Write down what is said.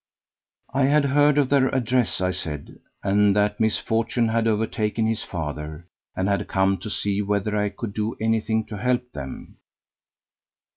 I had heard of their address, I said, and that misfortune had overtaken his father, and had come to see whether I could do anything to help them.